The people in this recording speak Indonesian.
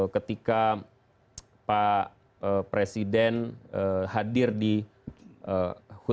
ketika pak presiden hadir di hut tni terakhir